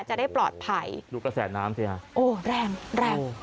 จะได้ปลอดภัยดูกระแสน้ำสิฮะโอ้แรงแรงแรง